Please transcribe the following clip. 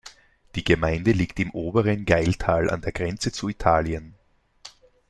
Die Gemeinde liegt im Oberen Gailtal an der Grenze zu Italien.